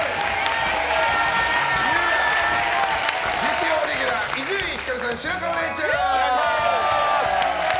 月曜レギュラー、伊集院光さん白河れいちゃん！